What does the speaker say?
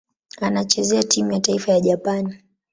Anachezea timu ya taifa ya Japani.